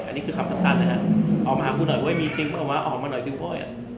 อันนี้คือคำสำสรรค์นะฮะออกมาหากูหน่อยเว้ยมีติ๊กออกมาออกมาหน่อยติ๊กเว้ย